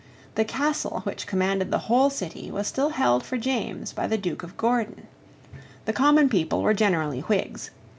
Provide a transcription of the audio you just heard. The Castle, which commanded the whole city, was still held for James by the Duke of Gordon. The common people were generally Whigs.